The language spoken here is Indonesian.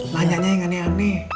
lanyanya yang aneh aneh